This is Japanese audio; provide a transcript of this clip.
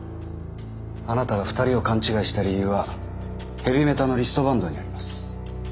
あなたが２人を勘違いした理由はヘビメタのリストバンドにあります。